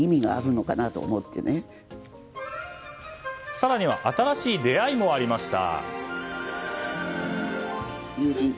更には新しい出会いもありました。